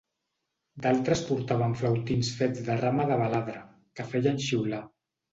D'altres portaven flautins fets de rama de baladre, que feien xiular.